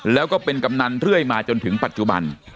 แล้วก็เป็นกำนันเรื่อยมาจนถึงปัจจุบัน